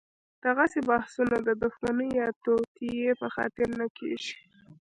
دغسې بحثونه د دښمنۍ یا توطیې په خاطر نه کېږي.